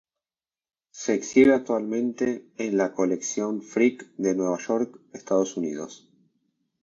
Se exhibe actualmente en la Colección Frick de Nueva York, Estados Unidos.